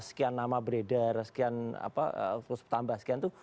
ada sekian nama beredar sekian apa terus bertambah sekian itu